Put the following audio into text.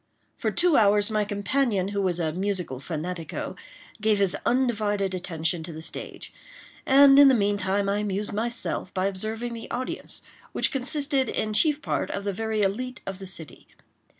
For two hours my companion, who was a musical fanatico, gave his undivided attention to the stage; and, in the meantime, I amused myself by observing the audience, which consisted, in chief part, of the very elite of the city.